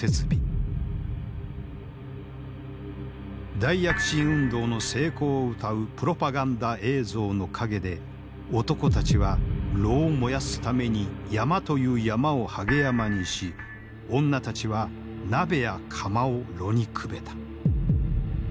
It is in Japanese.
大躍進運動の成功をうたうプロパガンダ映像の陰で男たちは炉を燃やすために山という山をはげ山にし女たちは鍋や釜を炉にくべた。